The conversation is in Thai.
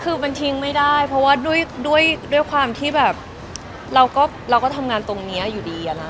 คือมันทิ้งไม่ได้เพราะว่าด้วยความที่แบบเราก็ทำงานตรงนี้อยู่ดีอะนะ